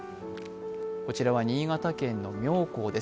こちらは新潟県の妙高です。